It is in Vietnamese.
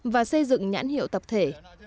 và xây dựng nhãn hiệu tập thể